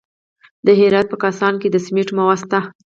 د هرات په کهسان کې د سمنټو مواد شته.